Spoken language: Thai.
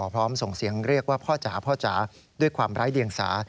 พร้อมส่งเสียงเรียกว่าพ่อจ๋าด้วยความร้ายเดี่ยงสา